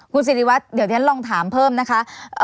คุณสิริวัตรเดี๋ยวฉันลองถามเพิ่มนะคะ